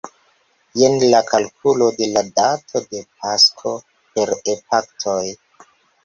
Jen la kalkulo de la dato de Pasko per epaktoj.